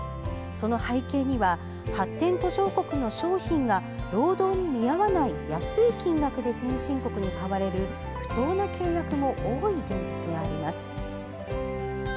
その背景には発展途上国の商品が労働に見合わない安い金額で先進国に買われる不当な契約も多い現実があります。